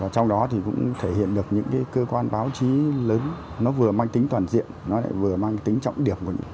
trong đó thì cũng thể hiện được những cơ quan báo chí lớn nó vừa mang tính toàn diện nó lại vừa mang tính trọng điểm của những